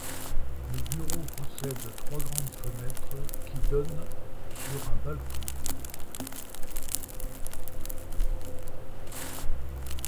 Le bureau possède trois grandes fenêtres qui donnent sur un balcon.